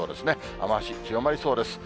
雨足強まりそうです。